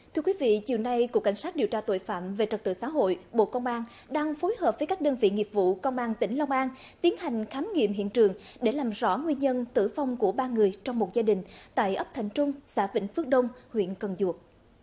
thưa quý vị chiều nay cục cảnh sát điều tra tội phạm về trật tự xã hội bộ công an đang phối hợp với các đơn vị nghiệp vụ công an tỉnh long an tiến hành khám nghiệm hiện trường để làm rõ nguyên nhân tử vong của ba người trong một gia đình tại ấp thành trung xã vĩnh phước đông huyện cần duộc